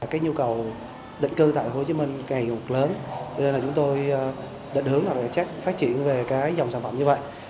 cái nhu cầu định cư tại hồ chí minh ngày một lớn cho nên là chúng tôi định hướng là chắc phát triển về cái dòng sản phẩm như vậy